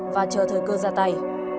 và chờ thời cơ ra tay